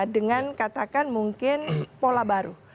dengan katakan mungkin pola baru